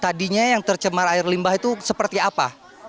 tadinya yang tercemar air limbah itu seperti apa